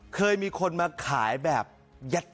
เคยมีคนมาขายแบบยักษ